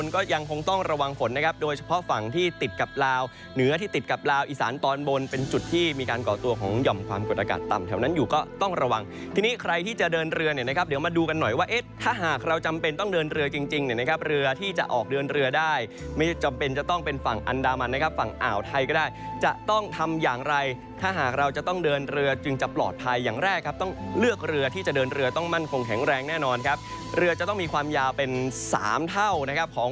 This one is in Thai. ก็ยังคงต้องระวังผลนะครับโดยเฉพาะฝั่งที่ติดกับลาวเหนือที่ติดกับลาวอิสานตอนบนเป็นจุดที่มีการก่อตัวของหย่อมความกดอากาศต่ำแถวนั้นอยู่ก็ต้องระวังทีนี้ใครที่จะเดินเรือเนี่ยนะครับเดี๋ยวมาดูกันหน่อยว่าเอ๊ะถ้าหากเราจำเป็นต้องเดินเรือจริงเนี่ยนะครับเรือที่จะออกเดินเรือได้ไม่จำเป็น